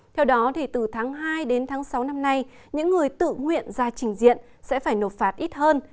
theo đó từ tháng hai đến tháng sáu năm nay những người tự nguyện ra trình diện sẽ phải nộp phạt ít hơn